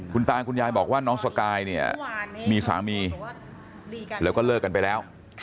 คุณตาคุณยายบอกว่าน้องสกายเนี่ยมีสามีแล้วก็เลิกกันไปแล้ว